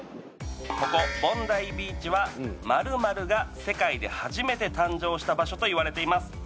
ここボンダイビーチは○○が世界で初めて誕生した場所といわれています